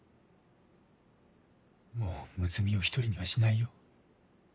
もう睦美を１人にはしないよ。